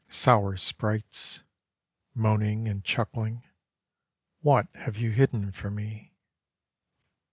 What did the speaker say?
Sour sprites, Moaning and chuckling, What have you hidden from me?